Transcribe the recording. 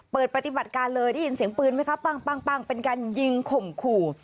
เปิดปฏิบัติการเลยได้ยินเสียงปืนไหมคะปั้งเป็นการยิงข่มขู่